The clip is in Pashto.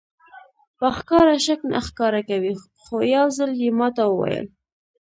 په ښکاره شک نه ښکاره کوي خو یو ځل یې ماته وویل.